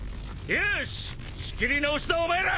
よし仕切り直しだお前ら。